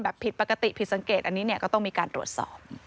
ผิดปกติผิดสังเกตอันนี้เนี่ยก็ต้องมีการตรวจสอบ